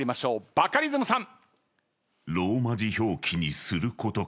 バカリズムさん。